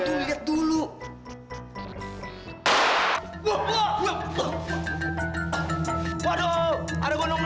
apakah dia atau threatriok